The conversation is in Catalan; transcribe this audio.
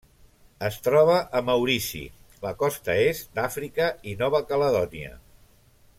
Es troba a Maurici, la costa est d'Àfrica i Nova Caledònia.